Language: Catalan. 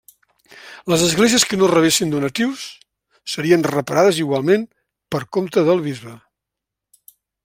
Les esglésies que no rebessin donatius serien reparades igualment per compte del bisbe.